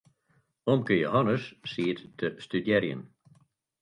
Omke Jehannes siet te studearjen.